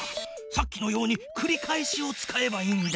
さっきのようにくり返しを使えばいいんだ。